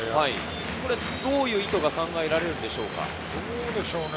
どういう意図が考えられるのでしょうか？